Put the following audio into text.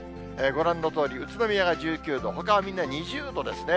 ご覧のとおり宇都宮が１９度、ほかはみんな２０度ですね。